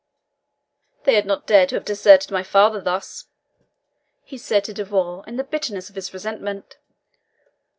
"They had not dared to have deserted my father thus," he said to De Vaux, in the bitterness of his resentment.